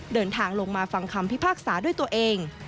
เดินทางลงมาฟังคำพิพากษาด้วยตัวเอง